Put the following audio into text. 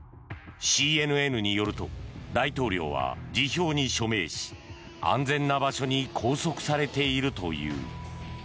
ＣＮＮによると大統領は辞表に署名し安全な場所に拘束されているという。